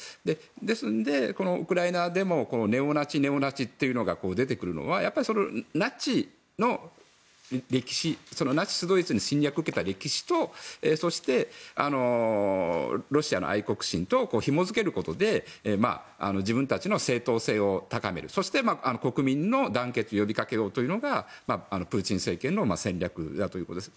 ですので、ウクライナでもネオナチ、ネオナチと出てくるのはやっぱりナチの歴史ナチスドイツに侵略を受けた歴史とロシアの愛国心をひも付けることで自分たちの正当性を高める、そして国民の団結を呼びかけようというのがプーチン政権の戦略だということです。